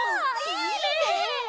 いいね！